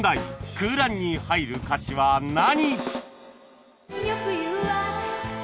空欄に入る歌詞は何？